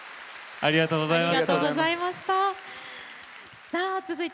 ありがとうございます。